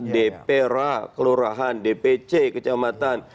dpr kelurahan dpc kecamatan